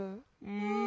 うん。